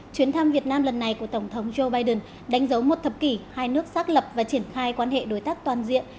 chuyến thăm việt nam lần này của tổng thống joe biden đánh dấu một thập kỷ hai nước xác lập và triển khai quan hệ đối tác toàn diện